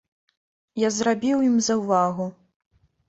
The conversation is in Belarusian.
Я зрабіў ім заўвагу.